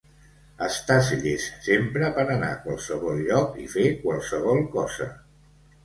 Estàs llest sempre per anar a qualsevol lloc i fer qualsevol cosa.